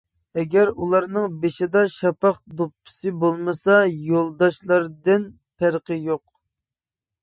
ئەگەر ئۇلارنىڭ بېشىدا شاپاق دوپپىسى بولمىسا يولداشلاردىن پەرقى يوق.